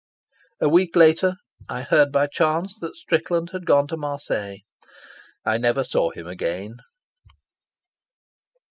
A week later I heard by chance that Strickland had gone to Marseilles. I never saw him again.